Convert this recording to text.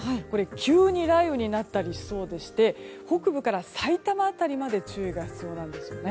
急に雷雨になったりしそうでして北部からさいたま辺りまで注意が必要なんですよね。